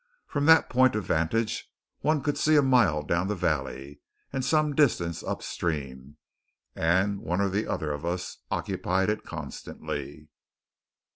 From that point of vantage one could see a mile down the valley, and some distance upstream; and one or the other of us occupied it constantly.